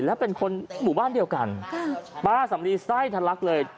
และเป็นคนหมู่บ้านเดียวกันป้าสำลีไส้ทะลักเลย